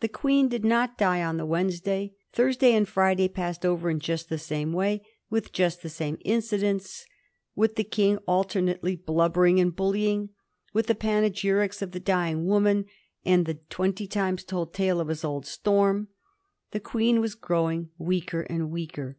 The Queen did not die on the Wednes day. Thursday and Friday passed over in j ust th e same way, with just the same incidents — with the King alternately blubbering and bullying, with the panegyrics of the dying woman, and the twenty times told tale of ^'his old storm." The Queen was growing weaker and weaker.